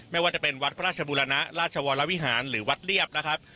ไม่ว่าจะเป็นวัดพระราชบุรณะราชวรวิหารหรือวัดเรียบนะครับ